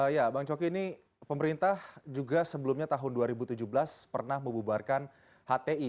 ya bang coki ini pemerintah juga sebelumnya tahun dua ribu tujuh belas pernah membubarkan hti